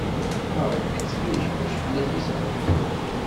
A Ṛebbi ttxil-k kullec fell-ak yeshel.